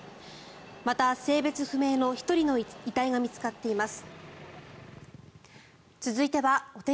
また、性別不明の１人の遺体が見つかっています。